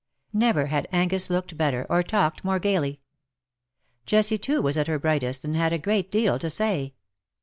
Never had Angus looked better, or talked m.ore gaily. Jessie, too, was at her brightest, and had a great deal to say.